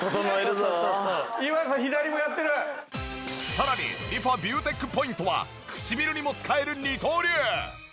さらにリファビューテックポイントは唇にも使える二刀流！